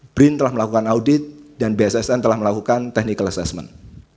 brin telah melakukan audit dan bssn telah melakukan technical assessment